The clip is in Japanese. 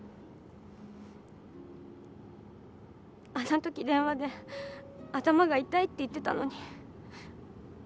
あのとき電話で頭が痛いって言ってたのに。